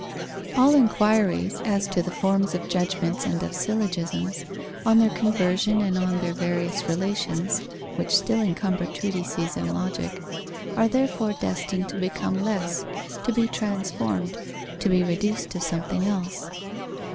_ All enquiries as to the forms of judgments and of syllogisms, on their conversion and on their various relations, which still encumber treatises on Logic, are therefore destined to become less, to be transformed, to be reduced to something else.